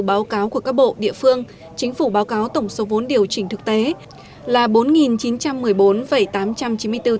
báo cáo của các bộ địa phương chính phủ báo cáo tổng số vốn điều chỉnh thực tế là bốn chín trăm một mươi bốn tám trăm chín mươi bốn tỷ đồng